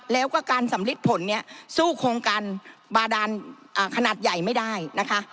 แล้วก็การสำลิดผลเนี่ยสู้โครงการบาดานขนาดใหญ่ไม่ได้นะคะ